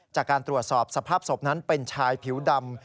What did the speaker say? จากการตรวจสอบสภาพศพนั้นเป็นชายผิวดำ